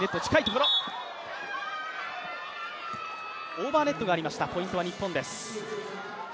オーバーネットがありました、ポイントは日本です。